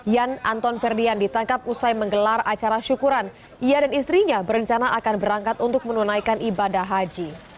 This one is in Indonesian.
yan anton ferdian ditangkap usai menggelar acara syukuran ia dan istrinya berencana akan berangkat untuk menunaikan ibadah haji